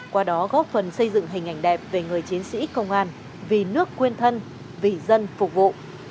qua đó góp phần xây dựng hình ảnh đẹp về người chiến sĩ công an vì nước quên thân vì dân phục vụ